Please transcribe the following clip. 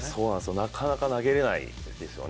なかなか投げられないですよね、